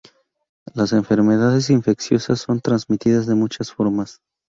Las enfermedades infecciosas son transmitidas de muchas formas.